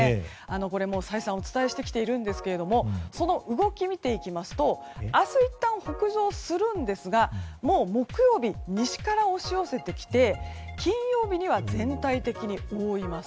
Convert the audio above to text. これ、再三お伝えしてきているんですがその動きを見ていきますと明日いったん北上するんですがもう、木曜日に西から押し寄せてきて金曜日には全体的に覆います。